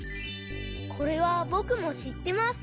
これはぼくもしってます。